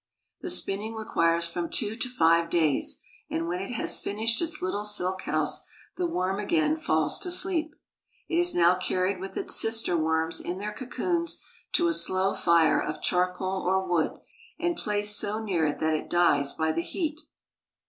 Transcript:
The spinning requires from two to five days, and when it has finished its little silk house, the worm again falls to sleep. It is now carried with its sister worms in their cocoons to a slow fire of charcoal or wood, and placed so near it that it dies by the heat.